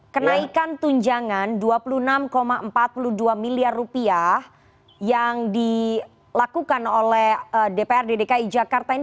kenaikan tunjangan dua puluh enam empat puluh dua miliar rupiah yang dilakukan oleh dpr dki jakarta ini